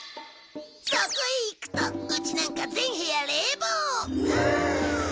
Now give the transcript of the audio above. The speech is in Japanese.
そこへいくとうちなんか全部屋冷房！はあ！